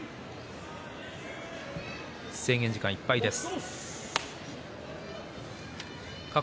制限時間いっぱいです。